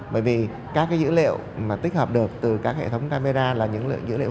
bởi vì các dữ liệu mà tích hợp được từ các hệ thống camera là những dữ liệu hình ảnh